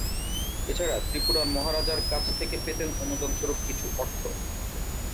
এছাড়া ত্রিপুরার মহারাজার কাছ থেকে পেতেন অনুদান স্বরূপ কিছু অর্থ।